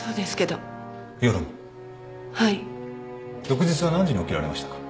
翌日は何時に起きられましたか？